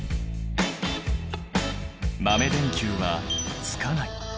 豆電球はつかない。